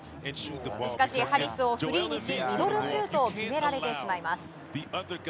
しかし、ハリスをフリーにしミドルシュートを決められてしまいます。